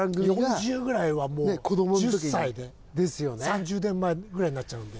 ４０ぐらいはもう１０歳で３０年前ぐらいになっちゃうんで。